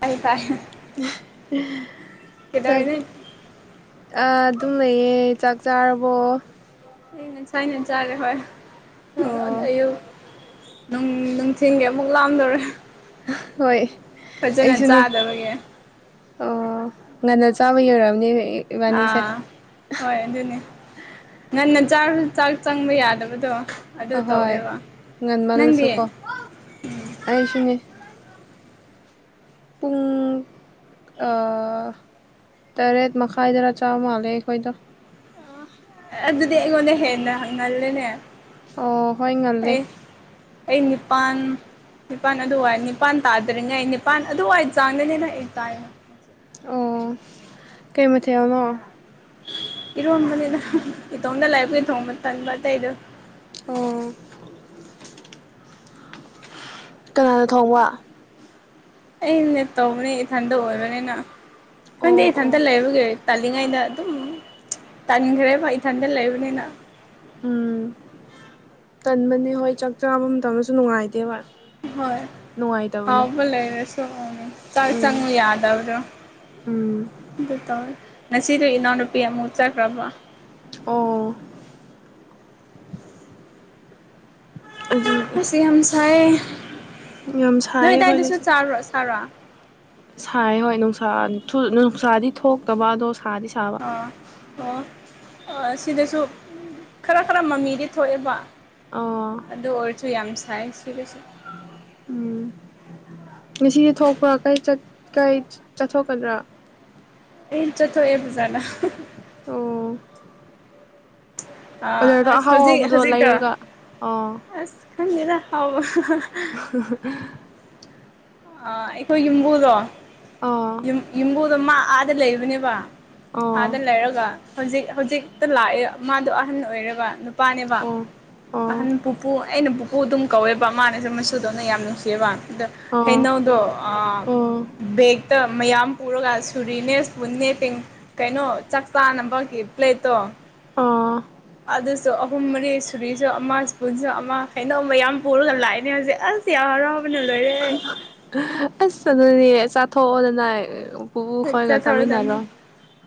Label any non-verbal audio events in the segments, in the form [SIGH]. ꯇꯥꯏ ꯇꯥꯏ ꯀꯩꯗꯧꯔꯤꯅꯣ ꯑ ꯑꯗꯨꯝ ꯂꯩꯌꯦ ꯆꯥꯛ ꯆꯥꯔꯕꯣ꯫ ꯑꯩ ꯉꯁꯥꯏꯅ ꯆꯥꯔꯦ ꯍꯣꯏ ꯑꯣ ꯑꯌꯨꯛ ꯅꯨꯡ ꯅꯨꯡꯊꯤꯟꯒꯤ ꯑꯃꯨꯛ ꯂꯥꯝꯗꯧꯔꯦ꯫ ꯍꯣꯏ꯫ ꯐꯖꯅ ꯑꯩꯁꯨꯅꯦ ꯆꯥꯗꯕꯒꯤ꯫ ꯑꯣ ꯉꯟꯅ ꯆꯥꯕꯒꯤ ꯑꯣꯏꯔꯝꯅꯤꯍꯦ꯫ ꯑꯥ꯫ ꯍꯣꯏ ꯑꯗꯨꯅꯦ ꯉꯟꯅ ꯆꯔꯁꯨ ꯆꯥꯛ ꯆꯪꯕ ꯌꯥꯗꯕꯗꯣ꯫ ꯑꯗꯨ ꯑꯍꯣꯏ ꯇꯧꯋꯦꯕ ꯅꯪꯗꯤ ꯉꯟꯃꯜꯂꯁꯨꯀꯣ ꯑꯩꯁꯨꯅꯤ꯫ ꯄꯨꯡ ꯑ ꯇꯔꯦꯠ ꯃꯈꯥꯏꯗꯔ ꯆꯥꯕ ꯃꯥꯜꯂꯦ ꯑꯩꯈꯣꯏꯗꯣ꯫ ꯑꯗꯨꯗꯤ ꯑꯩꯉꯣꯟꯗꯩ ꯍꯦꯟꯅ ꯉꯜꯂꯦꯅꯦ꯫ ꯑꯣ ꯍꯣꯏ ꯉꯜꯂꯦ꯫ ꯑꯩ ꯑꯩ ꯅꯤꯄꯥꯟ ꯅꯤꯄꯥꯜ ꯑꯗꯨ ꯋꯥꯏ ꯅꯤꯄꯥꯟ ꯇꯥꯗ꯭ꯔꯤꯉꯩ ꯅꯤꯄꯥꯜ ꯑꯗꯨꯋꯥꯏ ꯆꯥꯡꯗꯅꯤꯗ ꯑꯩ ꯆꯥꯏꯗꯣ꯫ ꯑꯣ ꯀꯩ ꯃꯊꯦꯜꯅꯣ? ꯏꯔꯣꯝꯕꯅꯦꯗ ꯏꯇꯣꯡꯗ ꯂꯏꯕꯩ ꯊꯣꯡꯕ ꯇꯟꯕ ꯑꯇꯩꯗꯨ꯫ ꯑꯣ ꯀꯅꯥꯅ ꯊꯣꯡꯕ ꯑꯩꯅ ꯇꯧꯕꯅꯦ ꯏꯊꯟꯇ ꯑꯣꯏꯕꯅꯤꯅ ꯈꯪꯗꯦ ꯑꯣ ꯑꯣ ꯏꯊꯟꯇ ꯂꯩꯕꯒꯤ ꯇꯥꯜꯂꯤꯉꯩꯗ ꯑꯗꯨꯝ ꯇꯟꯈ꯭ꯔꯦꯕ ꯏꯊꯟꯗ ꯂꯩꯕꯅꯤꯅ ꯎꯝ ꯇꯟꯕꯅꯦ ꯍꯣꯏ ꯆꯥꯛ ꯆꯥꯕ ꯃꯇꯝꯗꯁꯨ ꯅꯨꯡꯉꯥꯏꯇꯦꯕ ꯍꯣꯏ ꯅꯨꯡꯉꯥꯏꯇꯕꯅꯦ ꯍꯥꯎꯕ ꯂꯩꯔꯁꯨꯣ ꯆꯪ ꯎꯝ ꯆꯉꯨ ꯌꯥꯗꯕꯗꯣ ꯎꯝ ꯑꯗꯨ ꯇꯧꯋꯦ ꯉꯁꯤꯗꯤ ꯏꯅꯥꯎꯅꯨꯄꯤ ꯑꯃꯨꯛ ꯆꯠꯈ꯭ꯔꯕ ꯑꯣ ꯑꯗꯨ ꯉꯁꯤ ꯌꯥꯝ ꯁꯥꯏ ꯌꯥꯝ ꯁꯥꯏ ꯅꯣꯏ ꯑꯗꯥꯏꯗꯁꯨ ꯑꯩꯈꯣꯏꯗꯁꯨ ꯆꯥꯔ ꯁꯥꯥꯔꯣ ꯁꯥꯏ ꯍꯣꯏ ꯅꯨꯡꯁꯥ ꯅꯨꯡꯁꯥꯗꯤ ꯊꯣꯛꯇꯕ ꯑꯗꯣ ꯁꯥꯗꯤ ꯁꯥꯕ ꯑꯣ ꯑꯣ ꯁꯤꯗꯁꯨ ꯈꯔ ꯈꯔ ꯃꯃꯤꯗꯤ ꯊꯣꯛꯑꯦꯕ ꯑꯣ ꯑꯗꯨ ꯑꯣꯏꯔꯁꯨ ꯌꯥꯝ ꯁꯥꯏ ꯁꯤꯗꯁꯨ ꯎꯝ ꯉꯁꯤꯗꯤ ꯊꯣꯛꯄ꯭ꯔꯥ ꯀꯩ ꯆꯠꯊꯣꯛꯀꯗ꯭ꯔꯥ? ꯑꯩ ꯆꯠꯊꯣꯑꯦ ꯕꯖꯥꯗ ꯑꯣ ꯑ ꯑꯣꯗꯔꯗꯣ ꯑꯁ ꯑꯍꯥꯎ ꯍꯧꯖꯤꯛ ꯑꯍꯥꯎꯕꯗꯣ ꯍꯧꯖꯤꯛꯇ ꯂꯩꯔꯒ ꯑꯣ ꯑꯁ ꯈꯪꯗꯦꯅ ꯍꯥꯎꯕ [INAUDIBLE] ꯑꯩꯈꯣꯏ ꯌꯨꯝꯕꯨꯗꯣ ꯑꯣ ꯌꯨꯝꯕꯨꯗꯣ ꯃꯥ ꯑꯥꯗ ꯂꯩꯕꯅꯦꯕ ꯑꯣ ꯑꯣ ꯑꯥꯗ ꯂꯩꯔꯒ ꯍꯧꯖꯤꯛ ꯍꯧꯖꯤꯛꯇ ꯂꯥꯛꯑꯦ ꯃꯥꯗꯣ ꯑꯍꯟ ꯑꯣꯏꯔꯕ ꯄꯥꯅꯦꯕ ꯑꯣ ꯑꯍꯟ ꯄꯨꯄꯨ ꯑꯩꯅ ꯄꯨ ꯑꯗꯨꯝ ꯀꯧꯋꯦꯕ ꯃꯥꯅꯁꯨꯦ ꯃꯁꯨꯗꯧꯅ ꯌꯥꯝ ꯅꯨꯡꯁꯤꯑꯕ ꯑꯗ ꯑꯣ ꯀꯩꯅꯣꯗꯣ ꯑꯣ ꯕꯦꯛꯇ ꯃꯌꯥꯝ ꯄꯨꯔꯒ ꯁꯨꯔꯤꯅꯦ ꯁꯄꯨꯟꯅꯦ ꯇꯦꯡ ꯀꯩꯅꯣ ꯆꯥꯛ ꯆꯥꯅꯕꯒꯤ ꯄ꯭ꯂꯦꯠꯇꯣ ꯑꯣ ꯑꯗꯨꯁꯨ ꯑꯍꯨꯝ ꯃꯔꯤ ꯁꯨꯔꯤꯁꯨ ꯑꯃ ꯁꯄꯨꯟꯁꯨ ꯑꯃ ꯀꯩꯅꯣꯝꯃ ꯌꯥꯝ ꯄꯨꯔꯒ ꯂꯥꯛꯑꯦꯅꯦ ꯍꯧꯖꯤꯛ ꯑꯁ ꯊꯤꯍꯔꯥꯎꯕꯅ ꯂꯣꯏꯔꯦ ꯑꯁ ꯑꯗꯨꯗꯤ ꯆꯥꯊꯣꯛꯑꯣꯗꯅ ꯄꯨꯨꯄꯨ ꯈꯣꯏꯒ ꯆꯠꯊꯧꯔꯗꯕꯅꯤ ꯆꯥꯃꯤꯟꯅꯔꯣ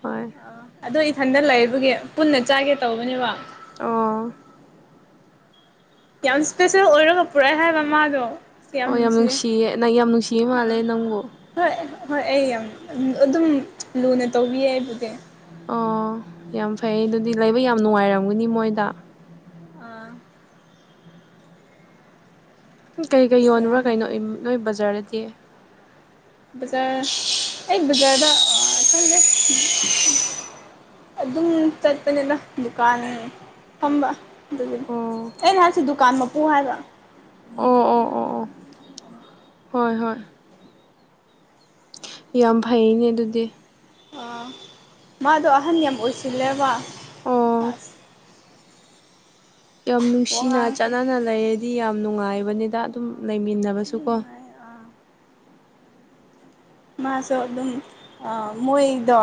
ꯍꯣꯌ ꯑꯥ ꯑꯗꯣ ꯏꯊꯟꯗ ꯂꯩꯕꯒꯤ ꯄꯨꯟꯅ ꯆꯥꯒꯦ ꯇꯧꯕꯅꯦꯕ ꯑꯣ ꯌꯥꯝ ꯏꯁꯄꯦꯁꯦꯜ ꯑꯣꯏꯔꯒ ꯄꯨꯔꯛꯑꯦ ꯍꯥꯏꯕ ꯃꯥꯗꯣ ꯑꯣ ꯌꯥꯝ ꯅꯨꯡꯁꯤꯌꯦ ꯅꯪ ꯌꯥꯝ ꯅꯨꯡꯁꯤꯌꯦ ꯃꯥꯜꯂꯦ ꯑꯥ ꯅꯪꯕꯨ ꯍꯣꯏ ꯍꯣꯏ ꯑꯩ ꯌꯥꯝ ꯑꯗꯨꯝ ꯂꯨꯅ ꯇꯧꯕꯤꯌꯦ ꯑꯩꯕꯨꯗꯤ ꯑꯣ ꯌꯥꯝ ꯐꯩ ꯑꯗꯨꯗꯤ ꯂꯩꯕ ꯌꯥꯝ ꯅꯨꯡꯉꯥꯏꯔꯝꯒꯅꯤ ꯃꯣꯏꯗ ꯑꯥ ꯀꯩꯀꯩ ꯌꯣꯟꯕ꯭ꯔꯥ ꯌꯥꯝ ꯀꯩꯅꯣ ꯅꯣꯏ ꯕꯖꯥꯔꯗꯗꯤ ꯕꯖꯥꯔ ꯑꯩ ꯕꯖꯥꯔꯗ ꯈꯪꯗꯦ ꯑꯗꯨꯝ ꯆꯠꯄꯅꯤꯗꯥ ꯗꯨꯀꯥꯟ ꯐꯝꯕ ꯑꯣ [UNINTELLIGIBLE] ꯑꯩꯅꯍꯥꯏꯁꯤ ꯗꯨꯀꯥꯟ ꯃꯄꯨ ꯍꯥꯏꯔꯣ ꯑꯣ ꯑꯣ ꯑꯣ ꯑꯣ ꯍꯣꯏ ꯍꯣꯏ ꯌꯥꯝ ꯐꯩꯅꯦ ꯑꯗꯨꯗꯤ ꯑꯥ ꯃꯥꯗꯣ ꯑꯍꯟ ꯌꯥꯝ ꯑꯣꯏꯁꯤꯜꯂꯦꯕ ꯑꯣ ꯑꯁ ꯌꯥꯝ ꯅꯨꯡꯁꯤꯅ ꯋꯥꯉꯥꯡꯁꯦ ꯆꯠꯅꯅ ꯂꯩꯔꯗꯤ ꯌꯥꯝ ꯅꯨꯡꯉꯥꯏꯕꯅꯤꯗ ꯑꯗꯨꯝ ꯂꯩꯃꯤꯟꯅꯕꯁꯨꯀꯣ꯫ ꯅꯨꯡꯉꯥꯏ ꯑꯥ ꯃꯥꯁꯨ ꯑꯗꯨꯝ ꯑ ꯃꯣꯏꯗꯣ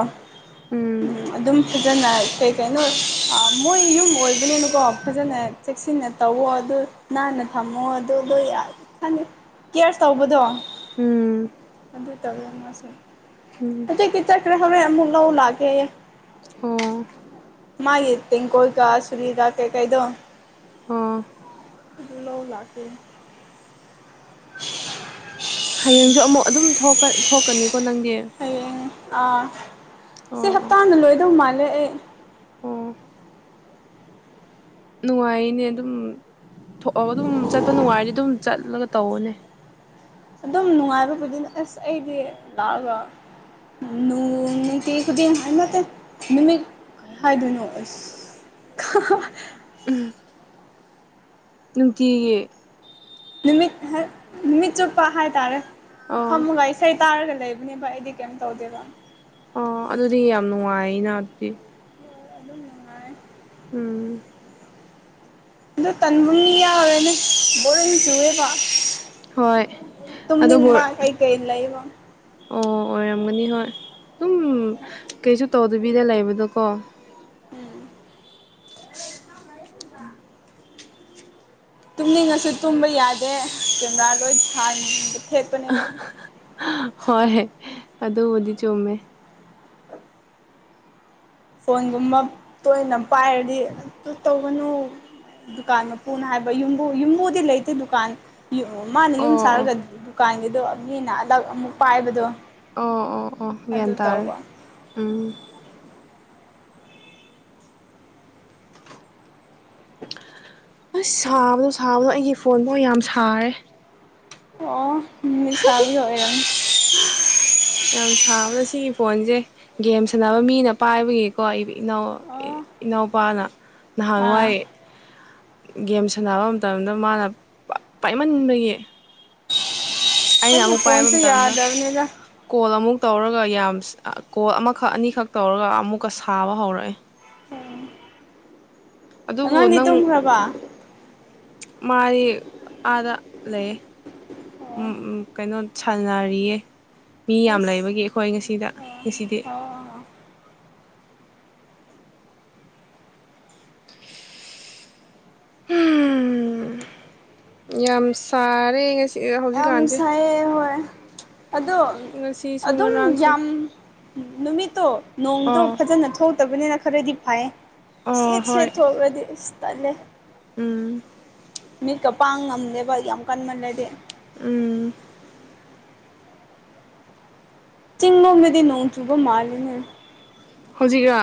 ꯎꯝ ꯑꯗꯨꯝ ꯊꯦꯡ ꯐꯖꯅ ꯀꯩ ꯀꯩꯅꯣ ꯃꯣꯏ ꯌꯨꯝ ꯑꯣꯏꯕꯅꯤꯅꯀꯣ ꯐꯖꯅ ꯆꯦꯛꯁꯤꯟꯅ ꯇꯧꯋꯣ ꯑꯗꯨ ꯅꯥꯟꯅ ꯊꯝꯃꯣ ꯑꯗꯨꯗꯣ ꯌꯝ ꯈꯟ ꯀꯦꯌꯔ ꯇꯧꯕꯗꯣ꯫ ꯎꯝ꯫ ꯑꯗꯨ ꯇꯧꯕꯔ ꯃꯥꯁꯦ꯫ ꯎꯝ꯫ ꯍꯧꯖꯤꯛꯇꯤ ꯆꯠ꯭ꯔꯦ ꯍꯧꯔꯦꯟ ꯑꯃꯨꯛ ꯂꯧ ꯂꯥꯛꯀ‌ꯦꯌꯦ꯫ ꯑꫭ꯫ ꯃꯥꯥꯏꯒꯤ ꯇꯦꯡ ꯀꯣꯏꯒ ꯁꯨꯔꯤꯒ ꯀꯩ ꯀꯥꯏꯗꯣ ꯑꯣ ꯑꯗꯨ ꯂꯧ ꯂꯥꯛꯀ‌ꯦꯌ‌ꯦ꯫ ꯍꯌꯦꯡꯁꯨ ꯑꯃꯨꯛ ꯑꯗꯨꯝ ꯊꯣꯛꯀ ꯊꯣꯛꯀꯅꯤꯀꯣ ꯅꯪꯗꯤ꯫ ꯍꯌꯦꯡ ꯑꯥ ꯁꯤ ꯑꯣ ꯍꯞꯇꯥꯅ ꯂꯣꯏꯗꯧ ꯃꯥꯜꯂꯦ ꯑꯩ ꯑꯣ ꯅꯨꯡꯉꯥꯏꯅꯦ ꯑꯗꯨꯝ ꯊꯣꯛꯑꯒ ꯑꯗꯨꯝ ꯆꯠꯄ ꯅꯨꯡꯉꯥꯏꯔꯗꯤ ꯑꯗꯨꯝ ꯆꯠꯂꯒ ꯇꯧꯋꫭꯅꯦ꯫ ꯑꯗꯨꯝ ꯅꯨꯡꯉꯥꯏꯕꯕꯨꯗꯤ ꯑꯁ ꯑꯩꯗꯤ ꯂꯥꯛꯑꯒ ꯅꯣꯡ ꯅꯨꯡꯇꯤ ꯈꯨꯗꯤꯡ ꯍꯥꯏꯅꯠꯇꯦ ꯅꯨꯃꯤꯠ ꯍꯥꯏꯗꯣꯏꯅꯣ ꯑꯁ [UNINTELLIGIBLE] ꯎꯝ ꯅꯨꯡꯇꯤꯒꯤ꯫ ꯅꯨꯃꯤꯠ ꯅꯨꯃꯤꯠ ꯆꯨꯞꯄ ꯍꯥꯏꯇꯥꯔꯦ ꯑꯥ ꯐꯝꯃꯒꯥ ꯏꯁꯩ ꯇꯥꯔꯒ ꯂꯩꯕꯅꯦꯕ ꯑꯩꯗꯤ ꯀꯩꯝ ꯇꯧꯗꯦꯕ꯫ ꯑꯣ ꯑꯗꯨꯗꯤ ꯌꯥꯝ ꯅꯨꯡꯉꯥꯏꯅ ꯑꯗꯨꯗꯤ꯫ ꯍꫭꯏ ꯑꯗꯨꯝ ꯅꯨꯡꯉꯥꯏ꯫ ꯎꯝ꯫ ꯑꯗꯨ ꯇꯟꯕꯨ [UNINTELLIGIBLE] ꯌꯥꯎꯔꯦꯅꯦ ꯕꯣꯔꯤꯡ ꯆꯨꯨꯔꯦꯕ ꯍꯣꯏ ꯑꯗꯨꯕꯨ ꯇꯨꯝꯃꯅꯤꯡꯕ ꯀꯩ ꯀꯩꯂꯩꯕ꯫ ꯑꯣ ꯑꯣꯏꯔꯝꯒꯅꯤ ꯍꯣꯏ ꯑꯗꯨꯝ ꯀꯩꯁꯨ ꯇꯧꯗꯕꯤꯗ ꯂꯩꯕꯗꯣꯀꯣ꯫ ꯎꯝ [UNINTELLIGIBLE] ꯇꯨꯝꯅꯤꯡꯉꯁꯨ ꯇꯨꯝꯕ ꯌꯥꯗꯦ ꯀꯦꯃꯦꯔꯥ ꯂꯣꯏ ꯊꯥꯟꯕ ꯊꯦꯠꯄꯅꯤꯅ꯫ ꯍꯣꯏ ꯑꯗꯨꯕꯨꯗꯤ ꯆꯨꯝꯃꯦ꯫ ꯐꯣꯟꯒꯨꯝꯕ ꯇꯣꯏꯅ ꯄꯥꯏꯔꯗꯤ ꯑꯗꯨ ꯇꯧꯒꯅꯨ꯫ ꯗꯨꯀꯥꯟ ꯃꯄꯨꯅ ꯍꯥꯏꯕ ꯌꯨꯝꯕꯨ ꯌꯨꯝꯕꯨꯗꯤ ꯂꯩꯇꯦ ꯗꯨꯀꯥꯟ ꯃꯥꯅ ꯑꯣ ꯌꯨꯝ ꯑꯣ ꯁꯥꯔꯒ ꯗꯨꯀꯥꯟꯒꯤꯗꯣ ꯃꯤꯅ ꯑꯗꯛ ꯑꯃꯨꯛ ꯄꯥꯏꯕꯗꯣ꯫ ꯑꯣ ꯑꯣ ꯑꯣ ꯑꯗꯨ ꯒ꯭ꯌꯥꯟ ꯇꯥꯔꯦ ꯇꯧꯕ ꯎꯝ꯫ ꯑꯁ ꯁꯥꯕꯗꯣ ꯁꯥꯕꯗꯣ ꯑꯩꯒꯤ ꯐꯣꯟꯐ ꯃꯣꯏ ꯌꯥꯝ ꯁꯥꯔꯦ ꯑꯣ ꯃꯤꯁꯥꯕꯤ ꯑꯣꯏꯔꯝꯅꯤ꯫ ꯌꯥꯝ ꯁꯥꯕꯗ ꯁꯤꯒꯤ ꯐꯣꯟꯁꯦ ꯒꯦꯝ ꯁꯥꯟꯅꯕ ꯃꯤꯅ ꯄꯥꯏꯕꯒꯤ꯫ ꯀꯣ ꯑꯩ ꯏꯅꯥꯎ ꯑꯣ ꯏꯅꯥꯎꯄꯥꯅ ꯑꯥ ꯅꯍꯥꯟꯋꯥꯏ꯫ ꯒꯦꯝ ꯁꯥꯟꯅꯕ ꯃꯇꯝꯗ ꯃꯥꯅ ꯄꯥꯏꯃꯟꯕꯒꯤ꯫ ꯑꯩꯅ ꯑꯩꯒꯤ ꯑꯃꯨꯛ ꯄꯥꯏꯕ ꯐꯣꯟꯁꯨ ꯃꯇꯝꯗ ꯌꯥꯗꯕꯅꯤꯗ ꯀꯣꯜ ꯑꯃꯨꯛ ꯇꯧꯔꯒ ꯌꯥꯝ ꯀꯣꯜ ꯑꯃꯈꯛ ꯑꯅꯤꯈꯛ ꯇꯧꯔꯒ ꯑꯃꯨꯛꯀ ꯁꯥꯕ ꯍꯧꯔꯛꯑꯦ꯫ ꯑꯗꯨꯕꯨ ꯑꯉꯥꯡꯗꯤ ꯅꯪ ꯇꯨꯝꯈ꯭ꯔꯕ ꯃꯥꯔꯤ ꯑꯥꯗ ꯂꯩꯌ‌ꯦ꯫ ꯑꯣ ꯎꯝ ꯎꯝ ꯀꯩꯅꯣ ꯁꯥꯟꯅꯔꯤꯌꯦ ꯃꯤ ꯌꯥꯝ ꯑꯩꯁ ꯂꯩꯕꯒꯤ ꯑꯩꯈꯣꯏ ꯉꯁꯤꯗ ꯉꯁꯤꯗꯤ꯫ ꯑꯣ ꯑꯣ ꯍꯨꯝ ꯌꯥꯝ ꯁꯥꯔꯦ ꯉꯁꯤ ꯌꯥꯝ ꯍꯧꯖꯤꯛꯀꯥꯟꯁꯦ ꯁꯥꯏꯌꯦ ꯍꯣꯏ ꯑꯗꯣ ꯉꯁꯤꯁꯨ ꯑꯗꯨꯝ ꯉꯔꯥꯡꯁꯨ ꯌꯥꯝ ꯅꯨꯃꯤꯠꯇꯣ ꯅꯣꯡꯗꯣ ꯑꯣ ꯐꯖꯅ ꯊꯣꯛꯇꯕꯅꯤꯅ ꯈꯔꯗꯤ ꯍꯌꯦ ꯑꯣ ꯁ‌ꯦꯠ ꯍꯣꯏ ꯁꯦꯠ ꯊꫭꯛꯔꯗꯤ ꯏꯁ ꯇꯜꯂ‌ꯦ ꯎꯝ ꯃꯤꯔ ꯀ ꯄꯥꯡ ꯉꯝꯗꯦꯕ ꯌꯥꯝ ꯀꯥꯟꯃꯜꯂꯗꯤ ꯎꯝ ꯆꯤꯡꯂꯣꯝ ꯂꯗꯤ ꯅꯣꯡ ꯆꯨꯕ ꯃꯥꯜꯂꯤꯅ‌ꯦ ꯍꯧꯖꯤꯛꯔꯥ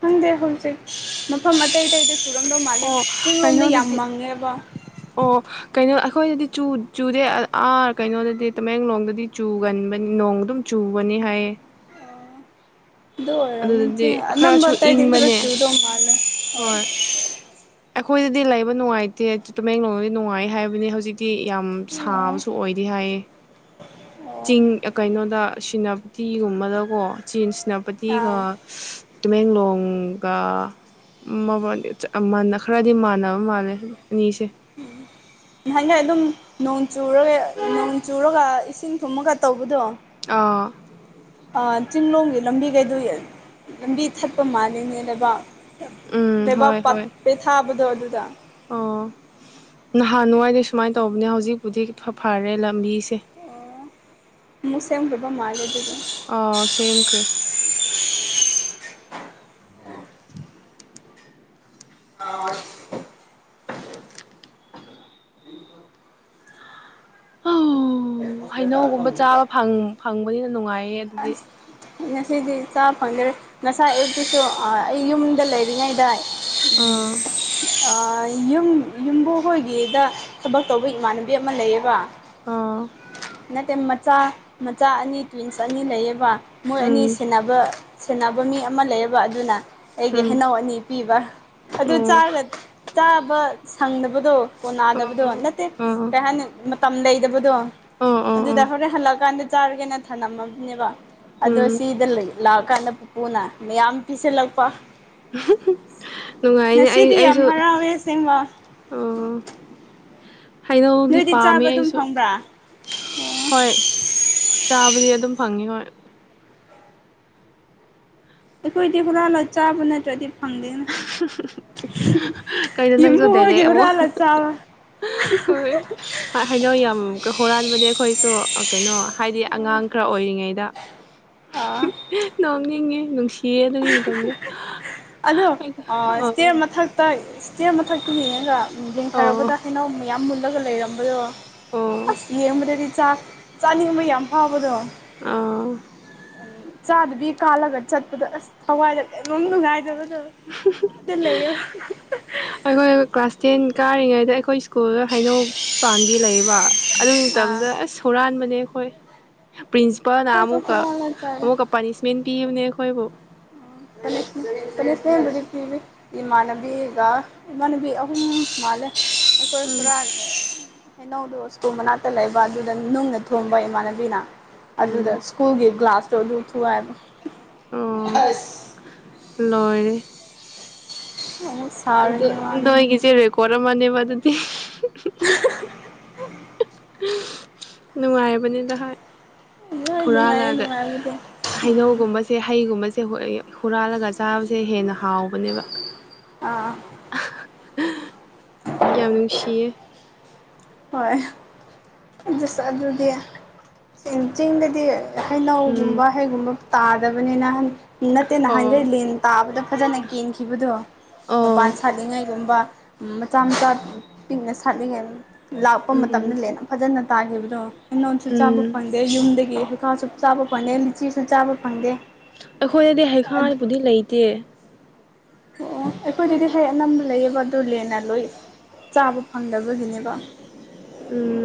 ꯈꯪꯗꯦ ꯍꯧꯖꯤꯛ ꯃꯐꯝ ꯑꯇꯩ ꯑꯇꯩꯗ ꯆꯨꯔꯝꯗꯧ ꯃꯥꯜꯂꯦ ꯑꯣ ꯆꯤꯡꯂꯣꯝꯗ ꯌꯥꯝ ꯀꯩꯅꯣꯗꯗꯤ ꯃꯪꯉꯦꯕ ꯑꯣ ꯀꯩꯅꯣ ꯑꯩꯈꯣꯏꯗꯗꯤ ꯆꯨ ꯆꯨꯗꯦ ꯑꯥ ꯀꯩꯅꯣꯗꯗꯤ ꯇꯃꯦꯡꯂꯣꯡꯗꯗꯤ ꯆꯨꯒꯟꯕꯅꯤ ꯅꯣꯡ ꯑꯗꯨꯝ ꯆꯨꯕꯅꯤ ꯍꯥꯏꯌꯦ ꯑꯗꯨ ꯑꯣꯏꯔꯕꯝꯃꯤ ꯑꯗꯨꯗꯗꯤ ꯆꯤꯛ ꯑꯅꯝꯕ ꯈꯔꯁꯨ ꯑꯇꯩꯗꯤ ꯈꯔꯥ ꯏꯪꯕꯅꯦ ꯆꯨꯗꯧ ꯃꯥꯜꯂꯦ ꯍꯣꯏ ꯑꯩꯈꯣꯏꯗꯗꯤ ꯂꯩꯕ ꯅꯨꯡꯉꯥꯏꯇꯦ ꯇꯨꯃꯦꯡꯂꯣꯡꯗꯗꯤ ꯅꯨꯡꯉꯥꯏ ꯍꯥꯏꯕꯅꯤ ꯍꯧꯖꯤꯛ ꯇꯤ ꯌꯥꯝ ꯑꯣ ꯁꯥꯕꯁꯨ ꯑꯣꯏꯗꯦ ꯍꯥꯏꯌꯦ ꯑꯣ ꯆꯤꯡ ꯑ ꯀꯩꯅꯣꯗ ꯁꯤꯅ ꯇꯤꯒꯨꯝꯕꯗꯀꯣ ꯆꯦꯟ ꯑꯥ ꯁꯤꯅꯥꯄꯇꯤꯒ ꯇꯨꯃꯦꯡꯂꯣꯡꯒ ꯃꯕꯥꯟꯅꯤ ꯆꯥ ꯑꯃꯅ ꯈꯔꯗꯤ ꯃꯥꯟꯅꯕ ꯃꯥꯜꯂꯦ ꯑꯅꯤꯁꯦ ꯎꯝ ꯅꯍꯥꯟꯈꯩ ꯑꯗꯨꯝ ꯅꯣꯡ ꯆꯨꯔꯒ ꯅꯣꯡ ꯆꯨꯔꯒ ꯏꯁꯤꯡ ꯊꯨꯝꯃꯒ ꯇꯧꯕꯗꯣ ꯑꯥ ꯑ ꯆꯤꯡꯂꯣꯝꯒꯤ ꯂꯝꯕꯤ ꯀꯩꯗ ꯂꯝꯕꯤ ꯊꯠꯄ ꯃꯥꯜꯂꯤꯅꯦ ꯂꯩꯕꯥꯛ ꯎꯝ ꯍꯣꯏ ꯂꯩꯕꯥꯛ ꯍꯣꯏ ꯄꯦꯊꯥꯕꯗꯣ ꯑꯗꯨꯗ ꯑꯣ ꯅꯍꯥꯟ ꯋꯥꯏꯗꯤ ꯁꯨꯃꯥꯏꯅ ꯇꯧꯕꯅꯦ ꯍꯧꯖꯤꯛꯄꯨꯗꯤ ꯈꯔ ꯐꯔꯦ ꯂꯝꯕꯤꯁꯦ ꯑꯣ ꯑꯃꯨꯛ ꯁꯦꯝꯈ꯭ꯔꯥꯕ ꯃꯥꯜꯂꯦ ꯑꯗꯨꯗꯤ ꯑ ꯁꯦꯝꯈ꯭ꯔꯦ [INAUDIBLE] ꯑꯧ ꯍꯩꯅꯧꯒꯨꯝꯕ ꯆꯥꯕ ꯐꯪ ꯐꯪꯕꯅꯤꯅ ꯅꯨꯡꯉꯥꯏꯌꯦ ꯑꯗꯨꯗꯤ ꯑꯁ ꯉꯁꯤꯗꯤ ꯆꯥ ꯐꯪꯗ꯭ꯔꯦ ꯉꯁꯥꯏ ꯑꯌꯨꯛꯇꯨꯁꯨ ꯑ ꯑꯩ ꯌꯨꯝꯗ ꯂꯩꯔꯤꯉꯩꯗ ꯎꯝ ꯑꯥ ꯑꯥ ꯌꯨꯝ ꯌꯨꯝꯕꯨ ꯍꯣꯏꯒꯤꯗ ꯊꯕꯛ ꯇꯧꯕ ꯏꯃꯥꯟꯅꯕꯤ ꯑꯃ ꯂꯩꯌꯦꯕ ꯑꯥ ꯅꯠꯇꯦ ꯃꯆꯥ ꯃꯆꯥ ꯑꯅꯤ ꯇ꯭ꯋꯤꯟꯁ ꯑꯅꯤ ꯂꯩꯌꯦꯕ ꯃꯣꯏ ꯑꯅꯤ ꯎꯝ ꯁꯦꯟꯅꯕ ꯁꯦꯟꯅꯕ ꯃꯤ ꯑꯃ ꯂꯩꯌꯦꯕ ꯑꯗꯨꯅ ꯑꯩꯒꯤ ꯍꯩꯅꯧ ꯑꯅꯤ ꯄꯤꯕ ꯎꯝ ꯑꯗꯨ ꯑꯣ ꯆꯥꯔꯒ ꯆꯥꯕ ꯁꯪꯗꯕꯗꯣ ꯀꯣꯟꯅꯗꯕꯗꯣ ꯑꯣ ꯅꯠꯇꯦ ꯑꯣ ꯀꯩ ꯍꯥꯏꯅꯤ ꯃ ꯇꯝ ꯂꯩꯗꯕꯗꯣ ꯑꯣ ꯑꯣ ꯑꯗꯨꯗ ꯑꯣ ꯍꯣꯔꯦꯟ ꯍꯜꯂꯛꯑꯀꯥꯟꯗ ꯆꯥꯔꯒꯦꯅ ꯊꯝꯂꯝꯃꯕꯅꯦꯕ ꯑꯗꯣ ꯎꯝ ꯁꯤꯗ ꯂꯩ ꯂꯥꯛꯑꯀꯥꯟꯗ ꯄꯨꯄꯨꯅ ꯌꯥꯝ ꯄꯤꯁꯤꯜꯂꯛꯄ ꯅꯨꯡꯉꯥꯏꯅꯦ ꯉꯁꯤꯗꯤ ꯌꯥꯝ ꯍꯔꯥꯎꯋꯦ ꯑꯁꯦꯡꯕ ꯎꯝ ꯍꯩꯅꯧꯗꯤ ꯅꯣꯏꯗꯤ ꯄꯥꯝꯃꯦ ꯆꯥꯕ ꯑꯗꯨꯝ ꯑꯩꯁꯨ ꯐꯪꯕ꯭ꯔꯥ ꯍꯣꯏ ꯆꯥꯕꯗꯤ ꯑꯗꯨꯝ ꯐꯪꯉꯤ ꯍꯣꯏ ꯑꯩꯈꯣꯏꯗꯤ ꯍꯨꯔꯥꯂ ꯆꯥꯕ ꯅꯠꯇ꯭ꯔꯗꯤ ꯐꯪꯗꯦꯅ ꯀꯩꯅꯣ ꯅꯪꯁꯨ ꯌꯨꯝꯕꯨ ꯗꯥꯏꯔꯦꯛ ꯍꯣꯏꯒꯤ ꯑꯃꯨꯛ ꯍꯨꯔꯥꯜꯂ ꯆꯕ ꯍ ꯍꯩꯅꯧ ꯌꯥꯝ ꯍꯨꯔꯥꯟꯕꯅꯦ ꯑꯩꯈꯣꯏꯁꯨ ꯀꯩꯅꯣ ꯍꯥꯏꯗꯤ ꯑꯉꯥꯡ ꯈꯔ ꯑꯣꯏꯔꯤꯉꯩꯗ ꯑꯣ ꯅꯣꯛꯅꯤꯡꯉꯦ ꯅꯨꯡꯁꯤꯌꯦ ꯑꯗꯨꯒꯤ ꯃꯇꯝꯗꯣ ꯑꯗꯣ ꯑ ꯏꯁꯇ꯭ꯤꯌꯔ ꯑꯣ ꯃꯊꯛꯇ ꯏꯁꯇ꯭ꯤꯌꯔ ꯃꯊꯛꯇ ꯌꯦꯡꯉꯒ ꯑꯣ ꯑꯣ ꯌꯦꯡꯊꯔꯛꯕꯗ ꯍꯩꯅꯧ ꯃꯨꯟ ꯌꯥꯝ ꯃꯨꯜꯂꯒ ꯂꯩꯔꯝꯕꯗꯣ ꯑꯣ ꯑꯁ ꯌꯦꯡꯕꯗꯗꯤ ꯆꯥꯛ ꯆꯥꯅꯤꯡꯕ ꯌꯥꯝ ꯐꯥꯎꯕꯗꯣ ꯑꯥ ꯆꯥꯗꯕꯤ ꯀꯥꯜꯂꯒ ꯆꯠꯄꯗ ꯑꯁ ꯊꯋꯥꯏꯗ ꯀꯩꯅꯣꯝ ꯅꯨꯡꯉꯥꯏꯗꯕ ꯗꯤꯜ ꯂꯩꯌꯦꯕ ꯑꯩꯈꯣꯏ ꯀ꯭ꯂꯥꯁ ꯇꯦꯟ ꯀꯥꯔꯤꯉꯩꯗ ꯑꯩꯈꯣꯏ ꯑꯤꯁ ꯀꯨꯜꯗ ꯍꯩꯅꯧ ꯄꯥꯝꯕꯤ ꯂꯩꯌꯦꯕ ꯑꯗꯨꯒꯤ ꯑꯥ ꯇꯝꯗ ꯑꯁ ꯍꯨꯔꯥꯟꯕꯅꯦ ꯑꯩꯈꯣꯏ ꯄ꯭ꯔꯤꯟꯁꯤꯄꯥꯜꯅ ꯍꯣꯏ ꯑꯃꯨꯛꯀ ꯆꯝꯐꯨꯠ ꯍꯥꯜꯂ ꯆꯥꯔꯦ ꯑꯃꯨꯛꯀ ꯄꯥꯅꯤꯁꯃꯦꯟ ꯄꯤꯕꯅꯦ ꯑꯈꯣꯏꯕꯨ ꯇꯅꯤꯁ ꯄꯅꯤꯁꯃꯦꯟꯕꯨꯗꯤ ꯄꯤꯕꯤ ꯏꯃꯥꯟꯅꯕꯤꯒ ꯏꯃꯥꯟꯅꯕꯤ ꯑꯍꯨꯝ ꯃꯥꯂꯦ ꯑꯩꯈꯣꯏ ꯎꯝ ꯍꯨꯔꯥꯟꯈ꯭ꯔꯦ ꯍꯩꯅꯧꯗꯣ ꯁ꯭ꯀꯨꯜ ꯃꯅꯥꯛꯇ ꯂꯩꯕ ꯑꯗꯨꯗ ꯅꯨꯡꯅ ꯊꯣꯝꯕ ꯏꯃꯥꯟꯅꯕꯤꯅ ꯑꯗꯨꯗ ꯎꯝ ꯁ꯭ꯀꯨꯜꯒꯤ ꯒ꯭ꯂꯥꯁꯇꯣ ꯑꯗꯨ ꯊꯨꯒꯥꯏꯕ ꯑꯣ ꯑꯁ ꯂꯣꯏꯔꯦ [UNINTELLIGIBLE] ꯑꯟꯗꯣ ꯃꯥꯅ ꯅꯣꯏꯒꯤ ꯆꯦ ꯔꯦꯀꯣꯔꯠ ꯑꯃꯅꯦꯕ ꯑꯗꯨꯗꯤ ꯅꯨꯡꯉꯥꯏꯕꯅꯤꯗ ꯍꯥꯏ ꯍꯣꯏ ꯅꯨꯡꯉꯥꯏꯌꯦ ꯅꯨꯡꯉꯥꯏꯕꯨꯗꯤ ꯍꯩꯅꯧꯒꯨꯝꯕꯁꯦ ꯍꯩꯒꯨꯝꯕꯁꯦ ꯍꯨꯏꯌ ꯍꯨꯔꯥꯜꯂꯒ ꯆꯥꯕꯁꯦ ꯍꯦꯟꯅ ꯍꯥꯎꯕꯅꯦꯕ ꯑꯥ ꯑꯥ ꯌꯥꯝ ꯅꯨꯡꯁꯤꯌꯦ ꯍꯣꯏ ꯑꯗꯨꯗꯤ ꯆꯤꯡꯗꯗꯤ ꯎꯝ ꯍꯩꯅꯧꯒꯨꯝꯕ ꯍꯩꯒꯨꯝꯕ ꯇꯥꯗꯕꯅꯦ ꯅꯍꯥꯟ ꯅꯠꯇꯦ ꯅꯍꯥꯟꯒꯩ ꯑꯣ ꯂꯦꯟ ꯇꯥꯕꯗ ꯐꯖꯅ ꯀꯦꯟꯈꯤꯕꯗꯣ ꯃꯄꯥꯟ ꯑꯣ ꯁꯥꯠꯂꯤꯉꯩꯒꯨꯝꯕ ꯃꯆꯥ ꯃꯆꯥ ꯄꯤꯛꯅ ꯁꯥꯠꯂꯤꯉꯩ ꯂꯥꯛꯄ ꯃꯇꯝꯗ ꯎꯝ ꯂꯦꯟ ꯐꯖꯅ ꯇꯥꯈꯤꯕꯗꯣ ꯍꯩꯅꯣꯟꯁꯨ ꯆꯥꯕ ꯎꯝ ꯐꯪꯡ ꯗꯦ ꯌꯨꯝꯗꯒꯤ ꯍꯩꯈꯥꯁꯨ ꯆꯥꯕ ꯐꯟꯅꯦꯜ ꯂꯤꯆꯤꯁꯨ ꯆꯥꯕ ꯐꯪꯗꯦ ꯑꯩꯈꯣꯏꯗꯗꯤ ꯍꯩꯈꯥꯏꯕꯨꯗꯤ ꯂꯩꯇꯦ ꯑꯣ ꯑꯣ ꯑꯩꯈꯣꯏꯗꯗꯤ ꯍꯩ ꯑꯅꯝꯕ ꯂꯩꯌꯦꯕ ꯑꯗꯨ ꯂꯦꯟꯅ ꯂꯣꯏ ꯆꯥꯕ ꯐꯪꯗꯕꯒꯤꯅꯦꯕ ꯎꯝ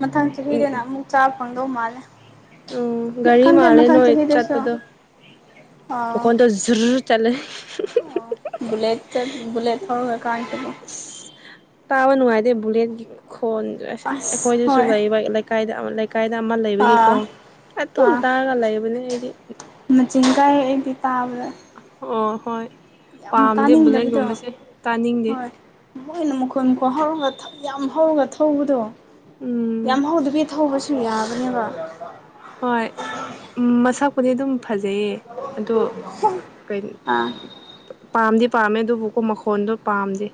ꯃꯊꯪ ꯆꯍꯤꯗꯅ ꯎꯝ ꯑꯃꯨꯛ ꯆꯥꯕ ꯐꯪꯗꯧ ꯃꯥꯜꯂꯦ ꯎꯝ ꯒꯥꯔꯤ ꯈꯪꯗꯦ ꯃꯜꯂꯣ ꯃꯊꯪ ꯅꯣꯢ ꯆꯍꯤꯗꯁꯨ ꯆꯠꯄꯗꯣ ꯃꯈꯣꯟꯗꯣ ꯖꯨꯔꯨꯠ ꯆꯠꯂꯦ ꯕꯨꯂꯦꯠꯇ ꯕꯨꯂꯦꯠ ꯊꯧꯔꯒ ꯀꯥꯥꯢꯟꯇꯕꯣ ꯑꯁ ꯇꯥꯕ ꯅꯨꯡꯉꯥꯏꯇꯦ ꯕꯨꯂꯦꯠꯀꯤ ꯈꯣꯟꯗꯨ ꯑꯦꯁꯁꯦ ꯑꯁ ꯑꯩꯈꯣꯏꯗꯁꯨ ꯍꯣꯏ ꯂꯩꯕ ꯂꯩ ꯀꯥꯏꯗ ꯑꯃ ꯂꯩꯀꯥꯏꯗ ꯑꯃ ꯂꯩꯕꯒꯤꯀꯣ ꯑꯥ ꯑꯗꯨꯝ ꯇꯥꯔꯒ ꯂꯩꯕꯅꯦ ꯑꯩꯗꯤ ꯃꯆꯤꯟꯒꯥꯏꯌꯦ ꯑꯩꯗꯤ ꯇꯥꯕꯗ ꯑꯣ ꯍꯣꯏ ꯌꯥꯝ ꯄꯥꯝꯗꯦ ꯇꯥꯅꯤꯡꯗꯕꯗꯣ ꯕꯨꯂꯦꯠꯒꯨꯝꯕꯁꯦ ꯇꯥꯅꯤꯡꯗꯦ ꯍꯣꯏ ꯃꯣꯏꯅ ꯃꯈꯣꯟ ꯀꯣ ꯍꯧꯔꯒ ꯊꯧ ꯌꯥꯝ ꯍꯧꯔꯒ ꯊꯧꯕꯗꯣ ꯎꯝ ꯌꯥꯝ ꯍꯧꯗꯕꯤ ꯊꯧꯕꯁꯨ ꯌꯥꯕꯅꯦꯕ ꯍꯣꯏ ꯎꯝ ꯃꯁꯛ ꯄꯨꯗꯤ ꯑꯗꯨꯝ ꯐꯖꯩꯌꯦ ꯑꯗꯣ ꯀꯩꯟ ꯑꯥ ꯄꯥꯝꯗꯤ ꯄꯥꯝꯃꯦ ꯑꯗꯨꯕꯨꯀꯣ ꯃꯈꯣꯟꯗꯣ ꯄꯥꯝꯗꯦ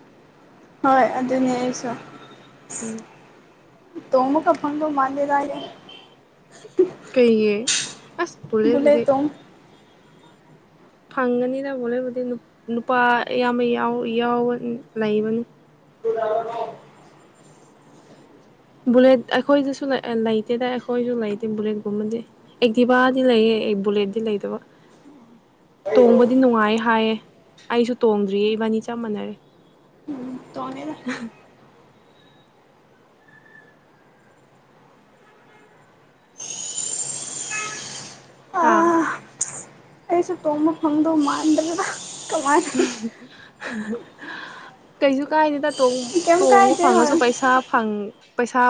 ꯍꯣꯏ ꯑꯗꯨꯅꯦ ꯑꯩꯁꯨ [UNINTELLIGIBLE] ꯇꯣꯡꯕꯒ ꯐꯪꯗꯧꯢ ꯃꯥꯥꯟꯗꯦꯗ ꯑꯩꯗꯤ ꯀꯩꯒꯤ ꯑꯁ ꯄꯨꯂꯦꯠꯄꯨꯗꯤ ꯕꯨꯂꯦꯠ ꯇꯣꯡ ꯐꯪꯒꯅꯤꯗ ꯕꯨꯂꯦꯠꯄꯨꯗꯤ ꯅꯨꯄꯥ ꯑꯌꯥꯝꯕ ꯌꯥꯎ ꯌꯥꯎ ꯂꯩꯕꯅꯤ [UNINTELLIGIBLE] ꯕꯨꯂꯦꯠ ꯑꯩꯈꯣꯏꯗꯁꯨ ꯂꯩꯇꯦꯗ ꯑꯩꯈꯣꯏꯖꯨ ꯂꯩꯇꯦ ꯕꯨꯂꯦꯠꯀꯨꯝꯕꯗꯤ ꯑꯦꯛꯇꯤꯕꯥꯗꯤ ꯂꯩꯌꯦ ꯑꯩ ꯕꯨꯂꯦꯠꯗꯤ ꯂꯩꯗꯕ ꯇꯣꯡꯕꯗꯤ ꯅꯨꯡꯉꯥꯏ ꯍꯥꯏꯌꯦ ꯑꯩꯁꯨ ꯇꯣꯡꯗ꯭ꯔꯤꯌꯦ ꯏꯕꯥꯅꯤ ꯆꯞ ꯃꯥꯟꯅꯔꯦ ꯎꯝ ꯇꯣꯡꯗꯦꯗ ꯑꯥ ꯍꯥꯥ ꯑꯩꯁꯨ ꯇꯣꯡꯕ ꯐꯪꯗꯧ ꯃꯥꯥꯟꯗ꯭ꯔꯦꯗ [UNINTELLIGIBLE] ꯀꯩꯁꯨ ꯀꯥꯏꯗꯦꯗ ꯇꯣꯡ ꯀꯩꯝ ꯇꯣꯡꯕ ꯀꯥꯏꯗꯦ ꯐꯪꯉꯁꯨ ꯍꯣꯏ ꯄꯩꯁꯥ ꯐꯪ ꯄꯩꯁꯥ